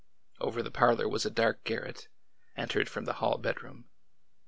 Over the parlor was a dark garret, entered from the hall bedroom.